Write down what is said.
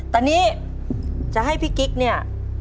ตอนนี้จะให้พี่กิ๊กเนี่ย